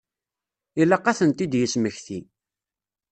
Ilaq ad tent-id-yesmekti.